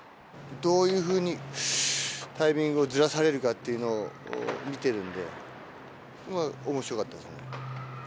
どういうふうにタイミングをずらされるかっていうのを見てるので、おもしろかったですね。